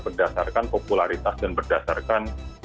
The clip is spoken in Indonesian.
berdasarkan popularitas dan berdasarkan